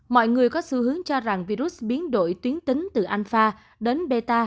mọi người có xu hướng cho rằng virus biến đổi tuyến tính từ alpha đến beta